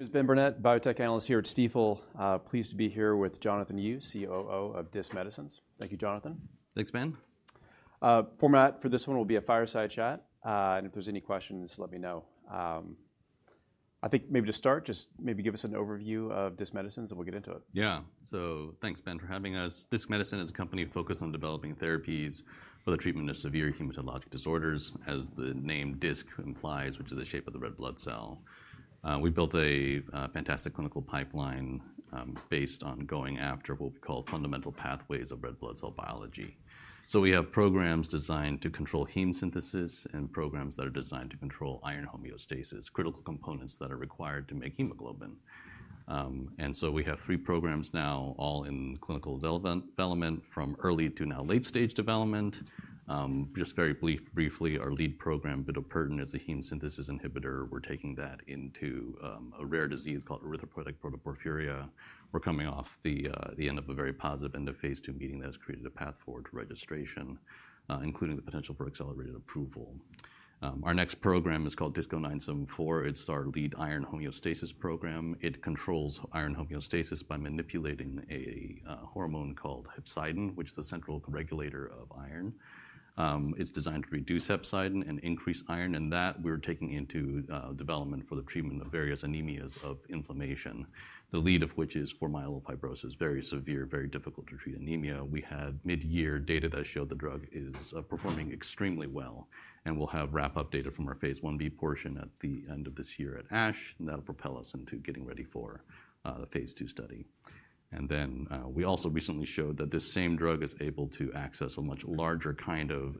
It's Ben Burnett, biotech analyst here at Stifel. Pleased to be here with Jonathan Yu, COO of Disc Medicine. Thank you, Jonathan. Thanks, Ben. Format for this one will be a fireside chat, and if there's any questions, let me know. I think maybe to start, just maybe give us an overview of Disc Medicine, and we'll get into it. Yeah. So thanks, Ben, for having us. Disc Medicine is a company focused on developing therapies for the treatment of severe hematologic disorders, as the name Disc implies, which is the shape of the red blood cell. We built a fantastic clinical pipeline based on going after what we call fundamental pathways of red blood cell biology. So we have programs designed to control heme synthesis and programs that are designed to control iron homeostasis, critical components that are required to make hemoglobin. And so we have three programs now, all in clinical development, from early to now late-stage development. Just very briefly, our lead program, bitopertin, is a heme synthesis inhibitor. We're taking that into a rare disease called erythropoietic protoporphyria. We're coming off the end of a very positive end of phase II meeting that has created a path forward to registration, including the potential for accelerated approval. Our next program is called DISC-0974. It's our lead iron homeostasis program. It controls iron homeostasis by manipulating a hormone called hepcidin, which is the central regulator of iron. It's designed to reduce hepcidin and increase iron, and that we're taking into development for the treatment of various anemias of inflammation, the lead of which is for myelofibrosis, very severe, very difficult to treat anemia. We had mid-year data that showed the drug is performing extremely well, and we'll have wrap-up data from our phase I-B portion at the end of this year at ASH, and that'll propel us into getting ready for a phase II study, and then we also recently showed that this same drug is able to access a much larger kind of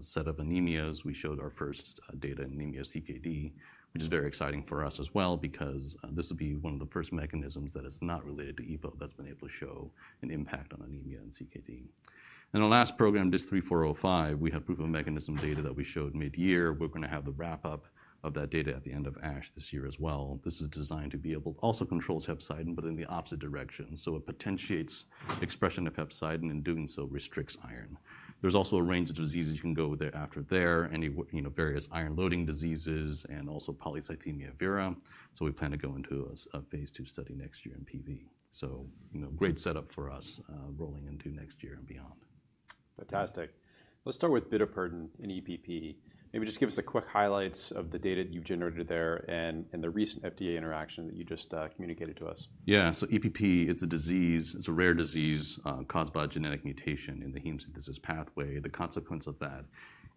set of anemias. We showed our first data in anemia CKD, which is very exciting for us as well, because this will be one of the first mechanisms that is not related to EPO that's been able to show an impact on anemia and CKD. And our last program, DISC-3405, we have proof of mechanism data that we showed mid-year. We're going to have the wrap-up of that data at the end of ASH this year as well. This is designed to be able to also control hepcidin, but in the opposite direction. So it potentiates expression of hepcidin, and doing so restricts iron. There's also a range of diseases you can go thereafter there, any various iron-loading diseases, and polycythemia vera. so we plan to go into a phase II study next year in PV. So great setup for us rolling into next year and beyond. Fantastic. Let's start with bitopertin and EPP. Maybe just give us a quick highlight of the data that you've generated there and the recent FDA interaction that you just communicated to us. Yeah. So EPP, it's a disease. It's a rare disease caused by a genetic mutation in the heme synthesis pathway. The consequence of that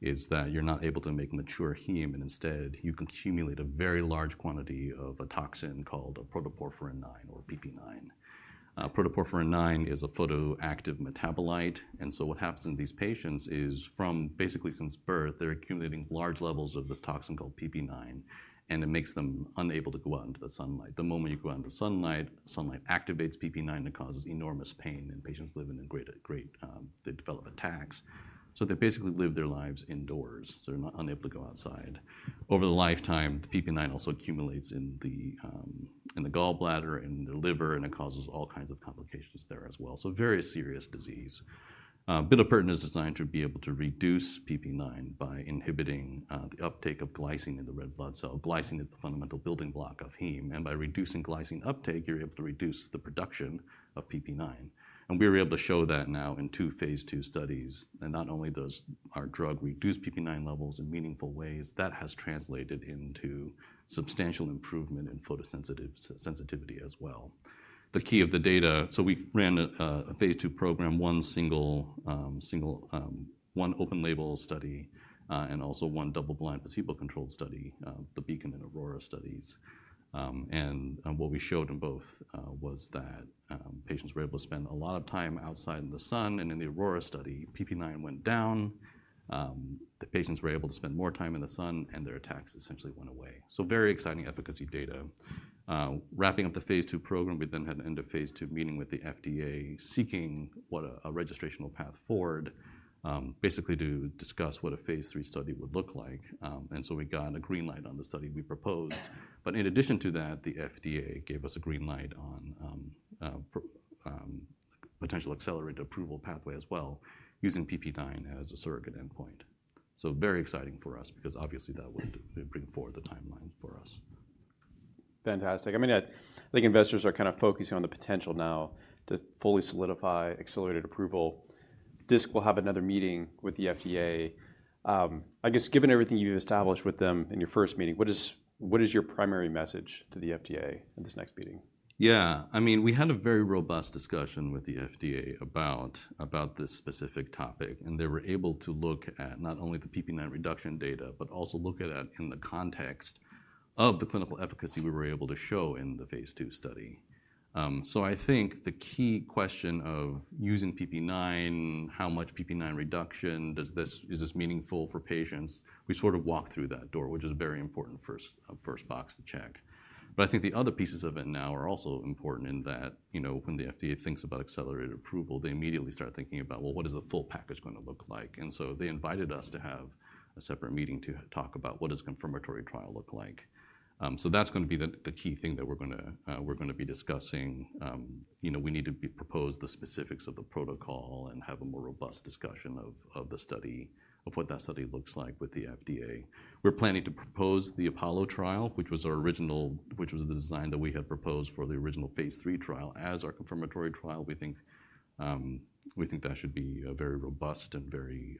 is that you're not able to make mature heme, and instead, you can accumulate a very large quantity of a toxin called protoporphyrin IX, or PPIX. Protoporphyrin IX is a photoactive metabolite. And so what happens in these patients is, from basically since birth, they're accumulating large levels of this toxin called PPIX, and it makes them unable to go out into the sunlight. The moment you go out into the sunlight, sunlight activates PPIX, and it causes enormous pain. And patients live. They develop attacks. So they basically live their lives indoors. So they're unable to go outside. Over the lifetime, the PPIX also accumulates in the gallbladder and in the liver, and it causes all kinds of complications there as well. So very serious disease. Bitopertin is designed to be able to reduce PPIX by inhibiting the uptake of glycine in the red blood cell. Glycine is the fundamental building block of heme. And by reducing glycine uptake, you're able to reduce the production of PPIX. And we were able to show that now in two phase II studies. And not only does our drug reduce PPIX levels in meaningful ways, that has translated into substantial improvement in photosensitivity as well. The key of the data, so we ran a phase II program, one open-label study and also one double-blind placebo-controlled study, the BEACON and AURORA studies. And what we showed in both was that patients were able to spend a lot of time outside in the sun. And in the AURORA study, PPIX went down. The patients were able to spend more time in the sun, and their attacks essentially went away. So very exciting efficacy data. Wrapping up the phase II program, we then had an end of phase II meeting with the FDA seeking a registrational path forward, basically to discuss what a phase III study would look like. And so we got a green light on the study we proposed. But in addition to that, the FDA gave us a green light on potential accelerated approval pathway as well, using PPIX as a surrogate endpoint. So very exciting for us, because obviously, that would bring forward the timeline for us. Fantastic. I mean, I think investors are kind of focusing on the potential now to fully solidify accelerated approval. Disc will have another meeting with the FDA. I guess, given everything you've established with them in your first meeting, what is your primary message to the FDA in this next meeting? Yeah. I mean, we had a very robust discussion with the FDA about this specific topic. And they were able to look at not only the PPIX reduction data, but also look at it in the context of the clinical efficacy we were able to show in the phase II study. So I think the key question of using PPIX, how much PPIX reduction, is this meaningful for patients? We sort of walked through that door, which is a very important first box to check. But I think the other pieces of it now are also important in that when the FDA thinks about accelerated approval, they immediately start thinking about, well, what is the full package going to look like? And so they invited us to have a separate meeting to talk about what does a confirmatory trial look like. That's going to be the key thing that we're going to be discussing. We need to propose the specifics of the protocol and have a more robust discussion of the study, of what that study looks like with the FDA. We're planning to propose the APOLLO trial, which was the design that we had proposed for the original phase III trial. As our confirmatory trial, we think that should be a very robust and very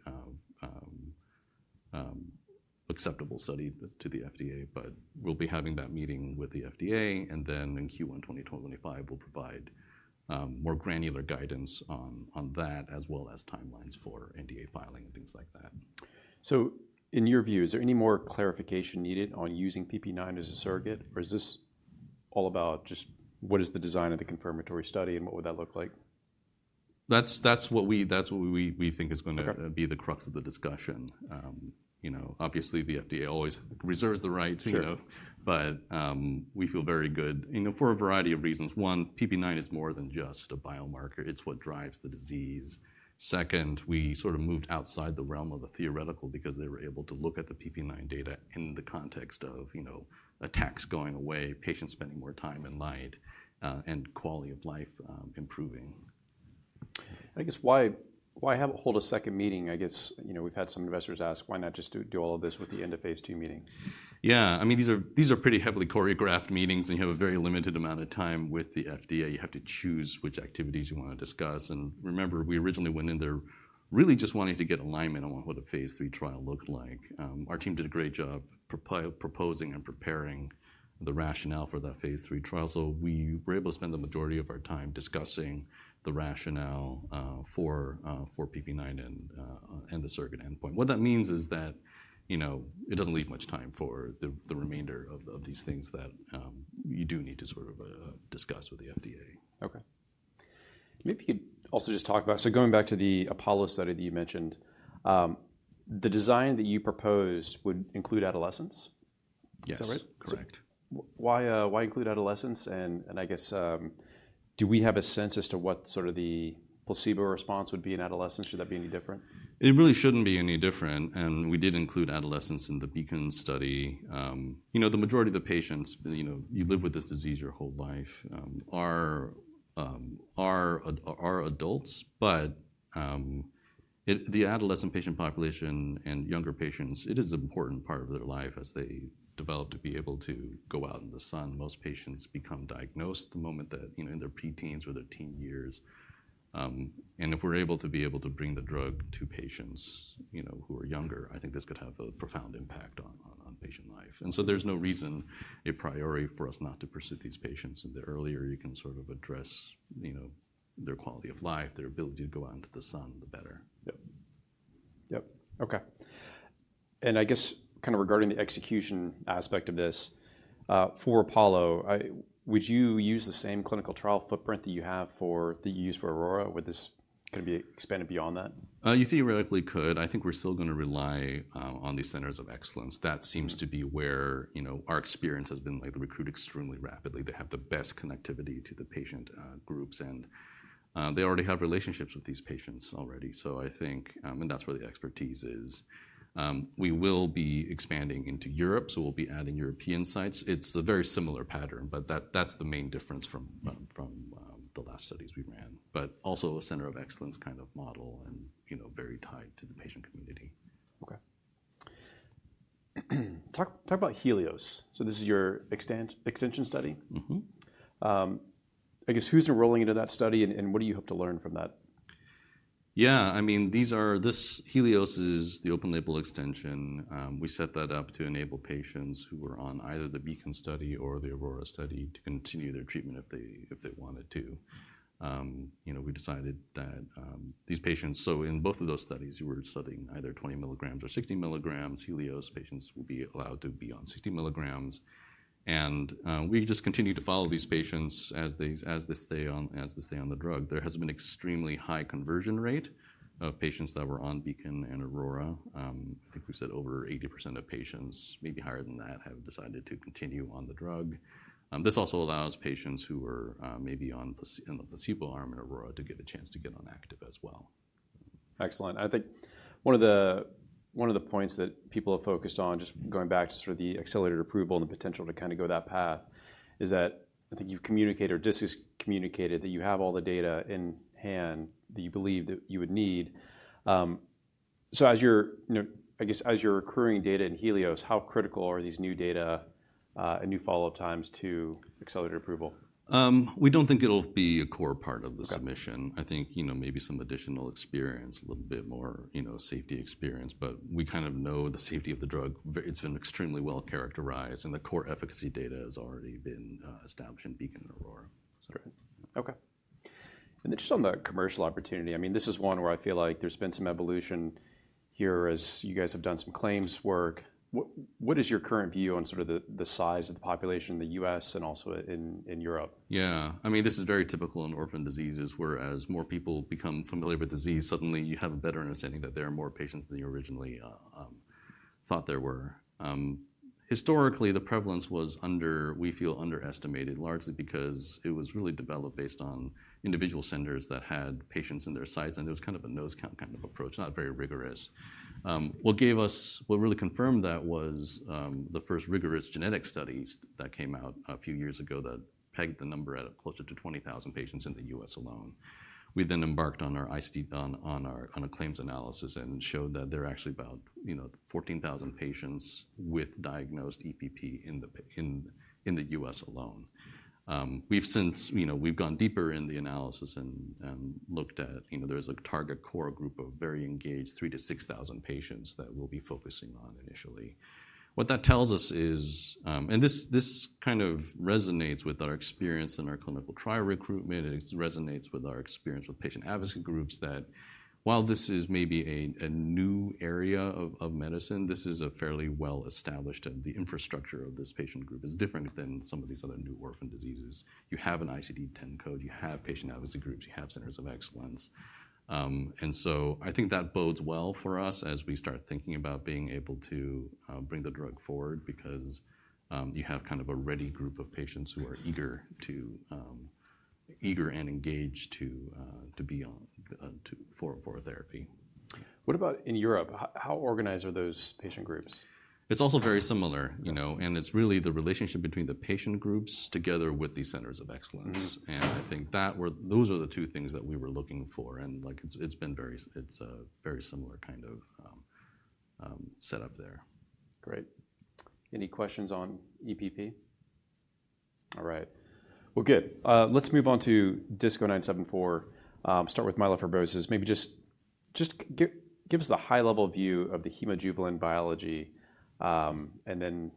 acceptable study to the FDA. But we'll be having that meeting with the FDA. And then in Q1 2025, we'll provide more granular guidance on that, as well as timelines for NDA filing and things like that. So in your view, is there any more clarification needed on using PPIX as a surrogate? Or is this all about just what is the design of the confirmatory study and what would that look like? That's what we think is going to be the cRux of the discussion. Obviously, the FDA always reserves the right. But we feel very good for a variety of reasons. One, PPIX is more than just a biomarker. It's what drives the disease. Second, we sort of moved outside the realm of the theoretical because they were able to look at the PPIX data in the context of attacks going away, patients spending more time in light, and quality of life improving. I guess, why hold a second meeting? I guess we've had some investors ask, why not just do all of this with the end of phase II meeting? Yeah. I mean, these are pretty heavily choreographed meetings, and you have a very limited amount of time with the FDA. You have to choose which activities you want to discuss, and remember, we originally went in there really just wanting to get alignment on what a phase III trial looked like. Our team did a great job proposing and preparing the rationale for that phase III trial, so we were able to spend the majority of our time discussing the rationale for PPIX and the surrogate endpoint. What that means is that it doesn't leave much time for the remainder of these things that you do need to sort of discuss with the FDA. OK. Maybe you could also just talk about, so going back to the APOLLO study that you mentioned, the design that you proposed would include adolescents. Is that right? Yes. Correct. Why include adolescents, and I guess, do we have a sense as to what sort of the placebo response would be in adolescents? Should that be any different? It really shouldn't be any different, and we did include adolescents in the BEACON study. The majority of the patients, you live with this disease your whole life, are adults, but the adolescent patient population and younger patients, it is an important part of their life as they develop to be able to go out in the sun. Most patients become diagnosed the moment that, in their pre-teens or their teen years, and if we're able to be able to bring the drug to patients who are younger, I think this could have a profound impact on patient life, and so there's no reason, a priori, for us not to pursue these patients, and the earlier you can sort of address their quality of life, their ability to go out into the sun, the better. Yep. Yep. Ok. And I guess, kind of regarding the execution aspect of this, for APOLLO, would you use the same clinical trial footprint that you have for that you use for AURORA? Would this kind of be expanded beyond that? You theoretically could. I think we're still going to rely on these centers of excellence. That seems to be where our experience has been lately. They recruit extremely rapidly. They have the best connectivity to the patient groups, and they already have relationships with these patients, so I think and that's where the expertise is. We will be expanding into Europe, so we'll be adding European sites. It's a very similar pattern, but that's the main difference from the last studies we ran, but also a center of excellence kind of model and very tied to the patient community. OK. Talk about HELIOS. So this is your extension study? Mm-hmm. I guess, who's enrolling into that study? And what do you hope to learn from that? Yeah. I mean, this HELIOS is the open-label extension. We set that up to enable patients who were on either the BEACON study or the AURORA study to continue their treatment if they wanted to. We decided that these patients, so in both of those studies, you were studying either 20 mg or 60 mg. HELIOS patients will be allowed to be on 60 mg, and we just continue to follow these patients as they stay on the drug. There has been an extremely high conversion rate of patients that were on BEACON and AURORA. I think we've said over 80% of patients, maybe higher than that, have decided to continue on the drug. This also allows patients who are maybe on the placebo arm in AURORA to get a chance to get on active as well. Excellent. I think one of the points that people have focused on, just going back to sort of the accelerated approval and the potential to kind of go that path, is that I think you've communicated or Disc has communicated that you have all the data in hand that you believe that you would need. So I guess, as you're accruing data in HELIOS, how critical are these new data and new follow-up times to accelerated approval? We don't think it'll be a core part of the submission. I think maybe some additional experience, a little bit more safety experience. But we kind of know the safety of the drug. It's been extremely well characterized. And the core efficacy data has already been established in BEACON and AURORA. Great. OK. And just on the commercial opportunity, I mean, this is one where I feel like there's been some evolution here as you guys have done some claims work. What is your current view on sort of the size of the population in the U.S. and also in Europe? Yeah. I mean, this is very typical in orphan diseases, where as more people become familiar with the disease, suddenly you have a better understanding that there are more patients than you originally thought there were. Historically, the prevalence was, we feel, underestimated, largely because it was really developed based on individual centers that had patients in their size. And it was kind of a nose count kind of approach, not very rigorous. What really confirmed that was the first rigorous genetic studies that came out a few years ago that pegged the number at closer to 20,000 patients in the U.S. alone. We then embarked on a claims analysis and showed that there are actually about 14,000 patients with diagnosed EPP in the U.S. alone. We've gone deeper in the analysis and looked at, there's a target core group of very engaged 3,000-6,000 patients that we'll be focusing on initially. What that tells us is, and this kind of resonates with our experience in our clinical trial recruitment. It resonates with our experience with patient advocacy groups that while this is maybe a new area of medicine, this is a fairly well-established, and the infrastructure of this patient group is different than some of these other new orphan diseases. You have an ICD-10 code. You have patient advocacy groups. You have centers of excellence. And so I think that bodes well for us as we start thinking about being able to bring the drug forward, because you have kind of a ready group of patients who are eager and engaged to be on for therapy. What about in Europe? How organized are those patient groups? It's also very similar, and it's really the relationship between the patient groups together with these centers of excellence, and I think those are the two things that we were looking for, and it's a very similar kind of setup there. Great. Any questions on EPP? All right. Well, good. Let's move on to DISC-0974. Start with myelofibrosis. Maybe just give us the high-level view of the hemojuvelin biology and then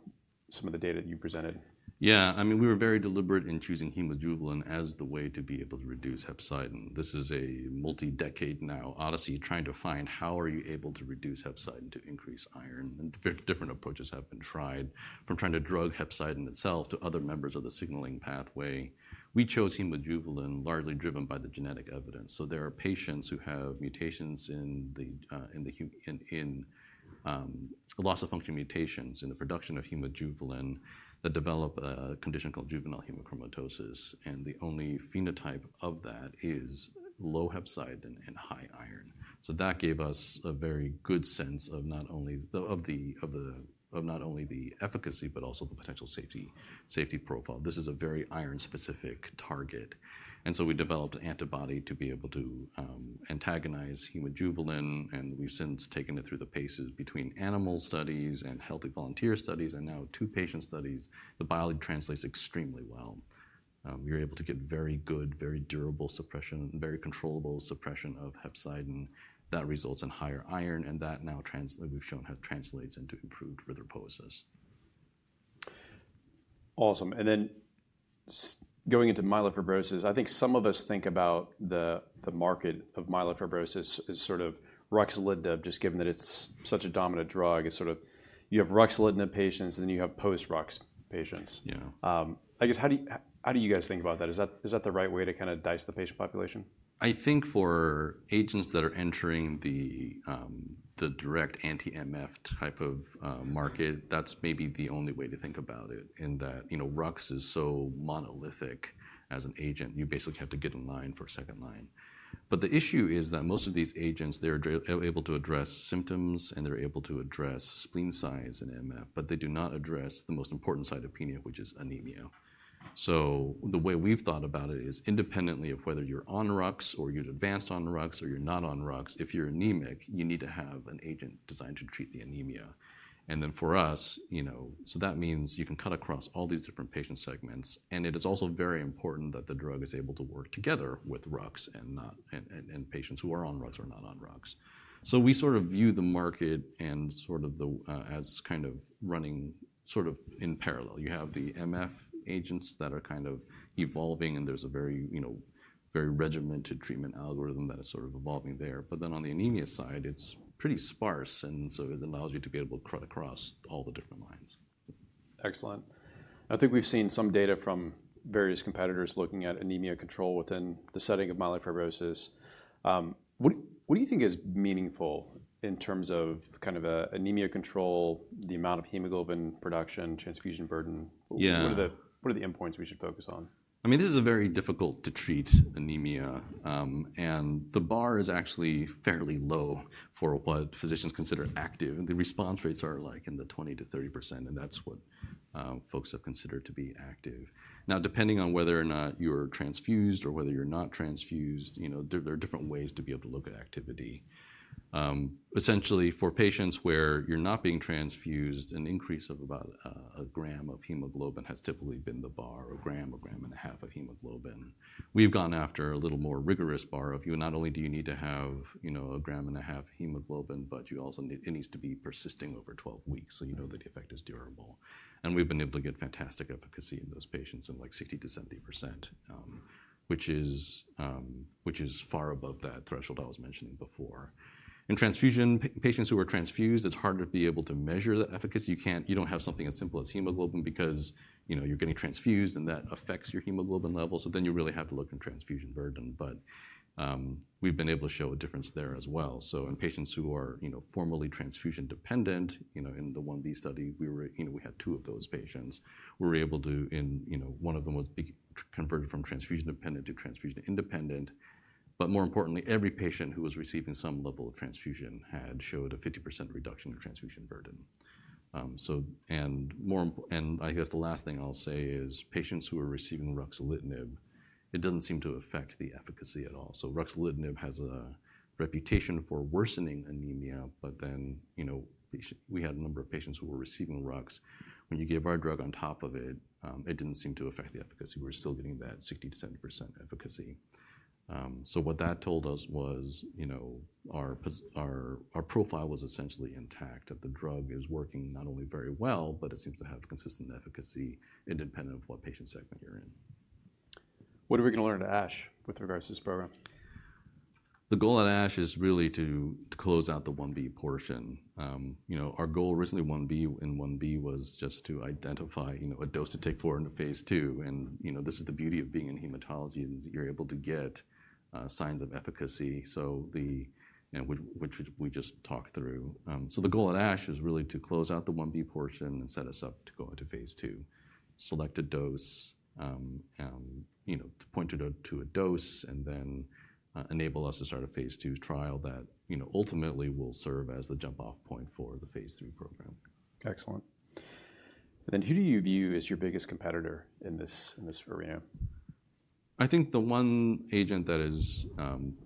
some of the data that you presented. Yeah. I mean, we were very deliberate in choosing hemojuvelin as the way to be able to reduce hepcidin. This is a multi-decade now odyssey trying to find how are you able to reduce hepcidin to increase iron. And different approaches have been tried, from trying to drug hepcidin itself to other members of the signaling pathway. We chose hemojuvelin largely driven by the genetic evidence. So there are patients who have mutations in the loss of function mutations in the production of hemojuvelin that develop a condition called juvenile hemochromatosis. And the only phenotype of that is low hepcidin and high iron. So that gave us a very good sense of not only the efficacy, but also the potential safety profile. This is a very iron-specific target. And so we developed an antibody to be able to antagonize hemojuvelin. We've since taken it through the paces between animal studies and healthy volunteer studies and now two patient studies. The biology translates extremely well. You're able to get very good, very durable suppression, very controllable suppression of hepcidin. That results in higher iron. That now, we've shown, translates into improved erythropoiesis. Awesome. And then going into myelofibrosis, I think some of us think about the market of myelofibrosis as sort of ruxolitinib, just given that it's such a dominant drug. It's sort of you have ruxolitinib patients, and then you have post-Rux patients. I guess, how do you guys think about that? Is that the right way to kind of dice the patient population? I think for agents that are entering the direct anti-MF type of market, that's maybe the only way to think about it in that Rux is so monolithic as an agent. You basically have to get in line for a second line. But the issue is that most of these agents, they're able to address symptoms, and they're able to address spleen size and MF. But they do not address the most important cytopenia, which is anemia. So the way we've thought about it is independently of whether you're on Rux, or you're advanced on Rux, or you're not on Rux, if you're anemic, you need to have an agent designed to treat the anemia. And then for us, so that means you can cut across all these different patient segments. It is also very important that the drug is able to work together with Rux and patients who are on Rux or not on Rux. We sort of view the market as kind of running sort of in parallel. You have the MF agents that are kind of evolving. There's a very regimented treatment algorithm that is sort of evolving there. Then on the anemia side, it's pretty sparse. It allows you to be able to cut across all the different lines. Excellent. I think we've seen some data from various competitors looking at anemia control within the setting of myelofibrosis. What do you think is meaningful in terms of kind of anemia control, the amount of hemoglobin production, transfusion burden? What are the endpoints we should focus on? I mean, this is a very difficult-to-treat anemia. And the bar is actually fairly low for what physicians consider active. And the response rates are like in the 20%-30%. And that's what folks have considered to be active. Now, depending on whether or not you're transfused or whether you're not transfused, there are different ways to be able to look at activity. Essentially, for patients where you're not being transfused, an increase of about a gram of hemoglobin has typically been the bar, a gram, a gram and a half of hemoglobin. We've gone after a little more rigorous bar for you. Not only do you need to have a gram and a half hemoglobin, but it needs to be persisting over 12 weeks so you know that the effect is durable. We've been able to get fantastic efficacy in those patients in like 60%-70%, which is far above that threshold I was mentioning before. In transfusion patients who are transfused, it's hard to be able to measure the efficacy. You don't have something as simple as hemoglobin because you're getting transfused, and that affects your hemoglobin level. Then you really have to look at transfusion burden. We've been able to show a difference there as well. In patients who are transfusion dependent, in the I-B study, we had two of those patients. We were able to, one of them was converted from transfusion dependent to transfusion independent. More importantly, every patient who was receiving some level of transfusion had showed a 50% reduction in transfusion burden. And I guess the last thing I'll say is patients who are receiving ruxolitinib, it doesn't seem to affect the efficacy at all. So ruxolitinib has a reputation for worsening anemia. But then we had a number of patients who were receiving Rux. When you gave our drug on top of it, it didn't seem to affect the efficacy. We were still getting that 60%-70% efficacy. So what that told us was our profile was essentially intact, that the drug is working not only very well, but it seems to have consistent efficacy independent of what patient segment you're in. What are we going to learn at ASH with regards to this program? The goal at ASH is really to close out the I-B portion. Our goal originally in I-B was just to identify a dose to take forward into phase II, and this is the beauty of being in hematology, is that you're able to get signs of efficacy, which we just talked through, so the goal at ASH is really to close out the I-B portion and set us up to go into phase II, select a dose, point it out to a dose, and then enable us to start a phase II trial that ultimately will serve as the jump-off point for the phase III program. Excellent. And then who do you view as your biggest competitor in this arena? I think the one agent that is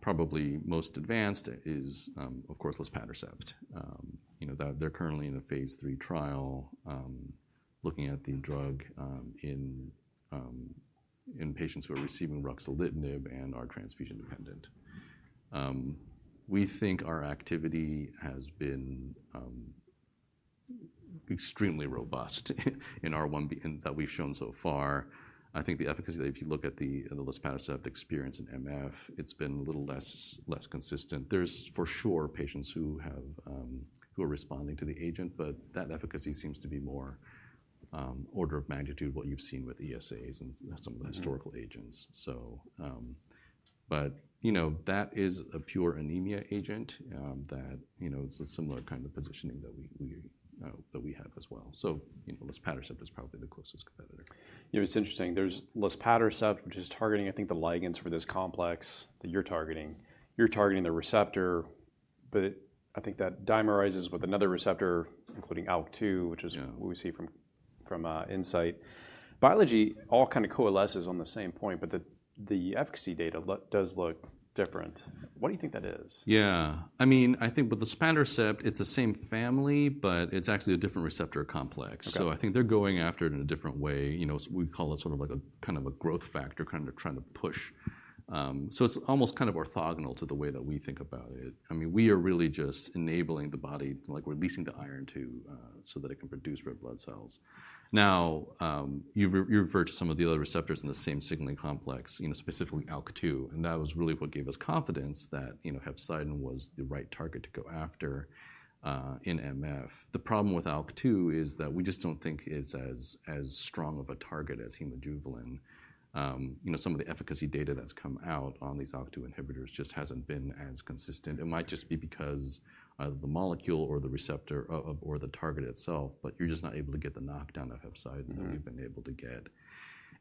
probably most advanced is, of course, luspatercept. They're currently in a phase III trial looking at the drug in patients who are receiving ruxolitinib and are transfusion dependent. We think our activity has been extremely robust in our phase I-B that we've shown so far. I think the efficacy, if you look at the luspatercept experience in MF, it's been a little less consistent. There's for sure patients who are responding to the agent. But that efficacy seems to be more order of magnitude what you've seen with ESAs and some of the historical agents. But that is a pure anemia agent. It's a similar kind of positioning that we have as well. So luspatercept is probably the closest competitor. It's interesting. There's luspatercept, which is targeting, I think, the ligands for this complex that you're targeting. You're targeting the receptor. But I think that dimerizes with another receptor, including ALK2, which is what we see from Incyte. Biology all kind of coalesces on the same point. But the efficacy data does look different. What do you think that is? Yeah. I mean, I think with luspatercept, it's the same family, but it's actually a different receptor complex. So I think they're going after it in a different way. We call it sort of like a kind of a growth factor, kind of trying to push. So it's almost kind of orthogonal to the way that we think about it. I mean, we are really just enabling the body, like releasing the iron so that it can produce red blood cells. Now, you refer to some of the other receptors in the same signaling complex, specifically ALK2. And that was really what gave us confidence that hepcidin was the right target to go after in MF. The problem with ALK2 is that we just don't think it's as strong of a target as hemojuvelin. Some of the efficacy data that's come out on these ALK2 inhibitors just hasn't been as consistent. It might just be because of the molecule or the receptor or the target itself. But you're just not able to get the knockdown of hepcidin that we've been able to get.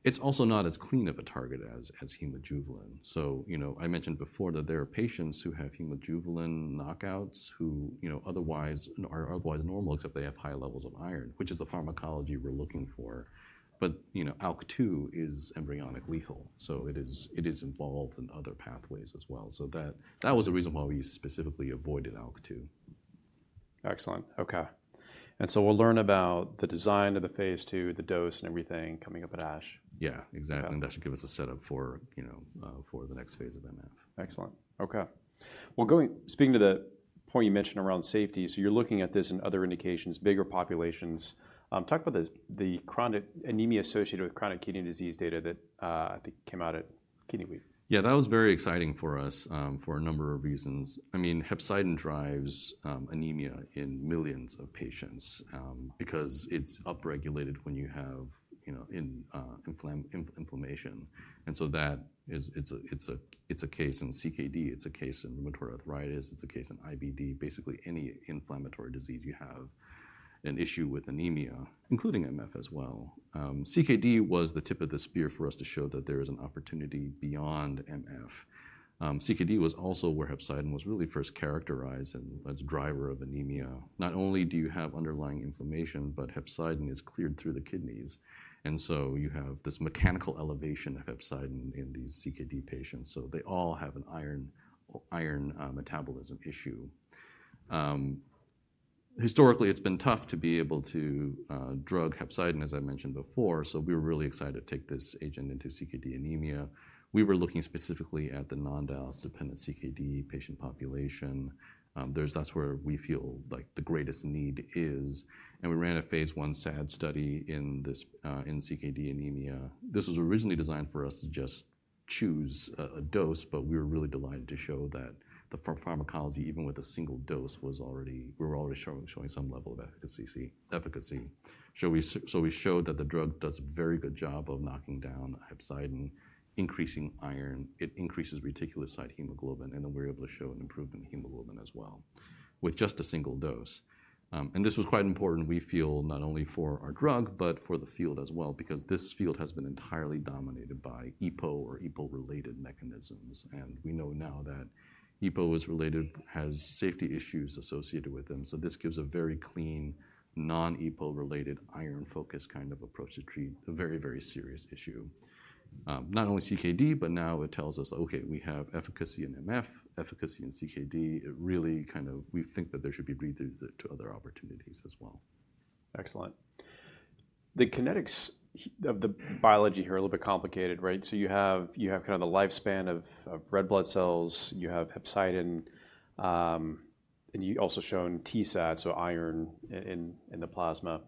It's also not as clean of a target as hemojuvelin. So I mentioned before that there are patients who have hemojuvelin knockouts who are otherwise normal, except they have high levels of iron, which is the pharmacology we're looking for. But ALK2 is embryonic lethal. So it is involved in other pathways as well. So that was the reason why we specifically avoided ALK2. Excellent. OK. And so we'll learn about the design of the phase II, the dose, and everything coming up at ASH. Yeah, exactly. And that should give us a setup for the next phase of MF. Excellent. OK. Well, speaking to the point you mentioned around safety, so you're looking at this in other indications, bigger populations. Talk about the anemia associated with chronic kidney disease data that I think came out at Kidney Week. Yeah, that was very exciting for us for a number of reasons. I mean, hepcidin drives anemia in millions of patients because it's upregulated when you have inflammation. And so that, it's a case in CKD. It's a case in rheumatoid arthritis. It's a case in IBD, basically any inflammatory disease you have, an issue with anemia, including MF as well. CKD was the tip of the spear for us to show that there is an opportunity beyond MF. CKD was also where hepcidin was really first characterized as a driver of anemia. Not only do you have underlying inflammation, but hepcidin is cleared through the kidneys. And so you have this mechanical elevation of hepcidin in these CKD patients. So they all have an iron metabolism issue. Historically, it's been tough to be able to drug hepcidin, as I mentioned before. We were really excited to take this agent into CKD anemia. We were looking specifically at the non-dialysis dependent CKD patient population. That's where we feel like the greatest need is. We ran a phase I SAD study in CKD anemia. This was originally designed for us to just choose a dose. We were really delighted to show that the pharmacology, even with a single dose, we were already showing some level of efficacy. We showed that the drug does a very good job of knocking down hepcidin, increasing iron. It increases reticulocyte hemoglobin. Then we were able to show an improvement in hemoglobin as well with just a single dose. This was quite important, we feel, not only for our drug, but for the field as well because this field has been entirely dominated by EPO or EPO-related mechanisms. And we know now that EPO has safety issues associated with them. So this gives a very clean, non-EPO-related, iron-focused kind of approach to treat a very, very serious issue. Not only CKD, but now it tells us, OK, we have efficacy in MF, efficacy in CKD. It really kind of, we think that there should be breathing through to other opportunities as well. Excellent. The kinetics of the biology here are a little bit complicated, right? So you have kind of the lifespan of red blood cells. You have hepcidin. And you've also shown TSAT, so iron in the plasma.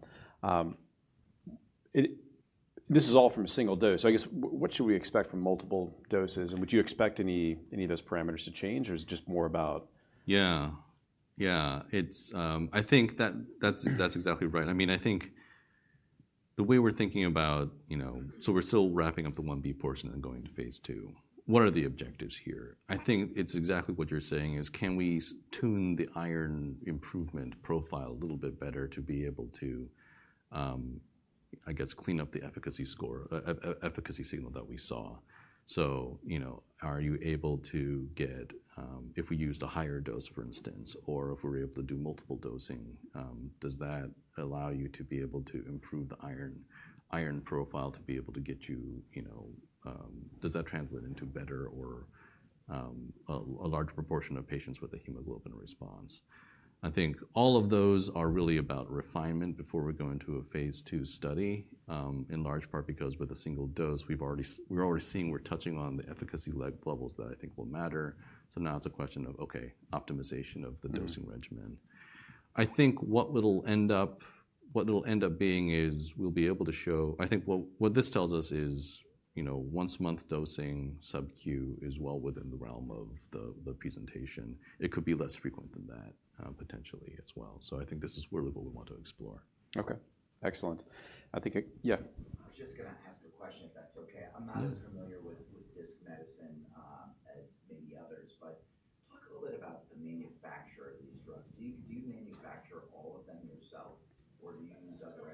This is all from a single dose. So I guess, what should we expect from multiple doses? And would you expect any of those parameters to change? Or is it just more about? Yeah. Yeah. I think that's exactly right. I mean, I think the way we're thinking about, so we're still wrapping up the I-B portion and going to phase II. What are the objectives here? I think it's exactly what you're saying is, can we tune the iron improvement profile a little bit better to be able to, I guess, clean up the efficacy score, efficacy signal that we saw? So are you able to get, if we used a higher dose, for instance, or if we were able to do multiple dosing, does that allow you to be able to improve the iron profile to be able to get you, does that translate into better or a larger proportion of patients with a hemoglobin response? I think all of those are really about refinement before we go into a phase II study, in large part because with a single dose, we're already seeing we're touching on the efficacy levels that I think will matter. So now it's a question of, OK, optimization of the dosing regimen. I think what it'll end up, what it'll end up being is we'll be able to show, I think what this tells us is once-month dosing subQ is well within the realm of the presentation. It could be less frequent than that, potentially, as well. So I think this is really what we want to explore. OK. Excellent. I think, yeah. I was just going to ask a question, if that's OK. I'm not as familiar with Disc Medicine as maybe others. But talk a little bit about the manufacturer of these drugs. Do you manufacture all of them yourself? Or do you use other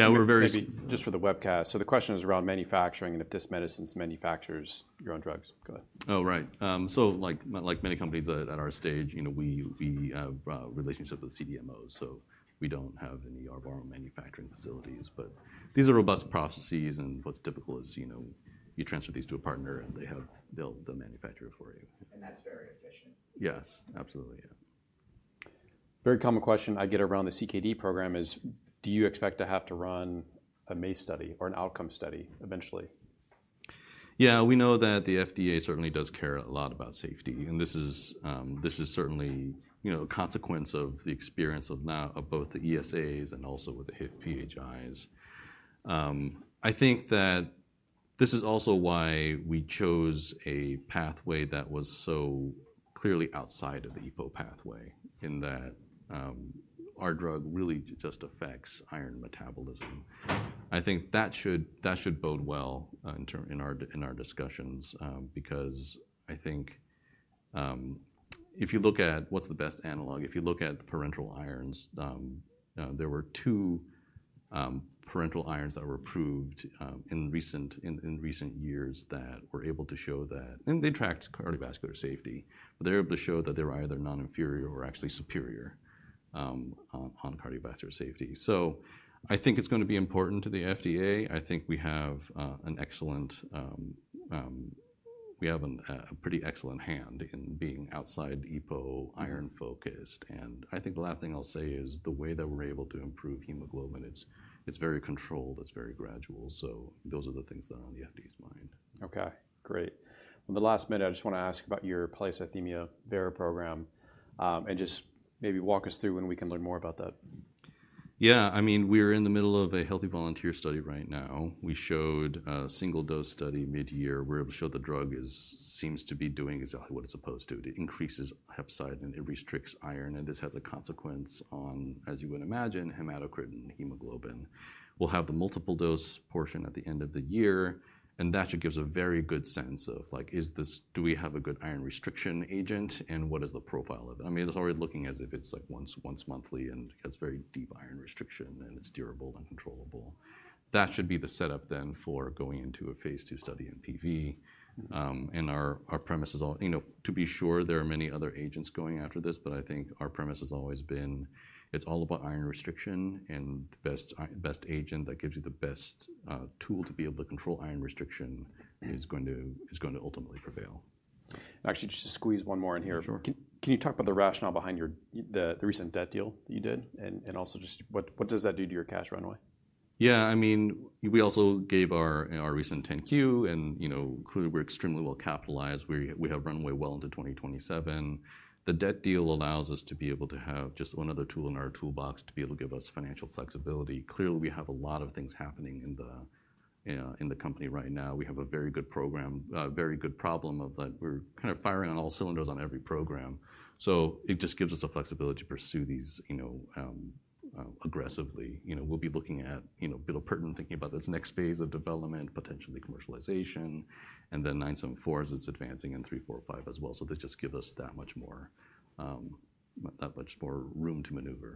entities to help you manufacture them? Yeah, we're very. Just for the webcast, so the question is around manufacturing and if Disc Medicine manufactures your own drugs. Go ahead. Oh, right. So like many companies at our stage, we have relationships with CDMOs. So we don't have any of our own manufacturing facilities. But these are robust processes. And what's typical is you transfer these to a partner, and they'll manufacture it for you. That's very efficient. Yes, absolutely. Yeah. Very common question I get around the CKD program is, do you expect to have to run a MACE study or an outcome study eventually? Yeah, we know that the FDA certainly does care a lot about safety, and this is certainly a consequence of the experience of both the ESAs and also with the PHIs. I think that this is also why we chose a pathway that was so clearly outside of the EPO pathway, in that our drug really just affects iron metabolism. I think that should bode well in our discussions because I think if you look at what's the best analog, if you look at parenteral irons, there were two parenteral irons that were approved in recent years that were able to show that, and they tracked cardiovascular safety, but they were able to show that they were either non-inferior or actually superior on cardiovascular safety, so I think it's going to be important to the FDA. I think we have a pretty excellent hand in being outside EPO, iron-focused, and I think the last thing I'll say is the way that we're able to improve hemoglobin. It's very controlled. It's very gradual, so those are the things that are on the FDA's mind. OK, great. On the last minute, I just want to ask about polycythemia vera program and just maybe walk us through when we can learn more about that. Yeah. I mean, we are in the middle of a healthy volunteer study right now. We showed a single-dose study mid-year. We're able to show the drug seems to be doing exactly what it's supposed to. It increases hepcidin, and it restricts iron. And this has a consequence on, as you would imagine, hematocrit and hemoglobin. We'll have the multiple-dose portion at the end of the year. And that should give us a very good sense of, do we have a good iron restriction agent? And what is the profile of it? I mean, it's already looking as if it's like once monthly and it's very deep iron restriction. And it's durable and controllable. That should be the setup then for going into a phase II study in PV. And our premise is all, to be sure, there are many other agents going after this. But I think our premise has always been, it's all about iron restriction. And the best agent that gives you the best tool to be able to control iron restriction is going to ultimately prevail. Actually, just to squeeze one more in here. Sure. Can you talk about the rationale behind the recent debt deal that you did? And also just what does that do to your cash runway? Yeah. I mean, we also gave our recent 10-Q, and clearly, we're extremely well capitalized. We have runway well into 2027. The debt deal allows us to be able to have just one other tool in our toolbox to be able to give us financial flexibility. Clearly, we have a lot of things happening in the company right now. We have a very good program, a very good problem in that we're kind of firing on all cylinders on every program. So it just gives us the flexibility to pursue these aggressively. We'll be looking at building, thinking about this next phase of development, potentially commercialization, and then 974 is advancing, 3405 as well. So this just gives us that much more room to maneuver.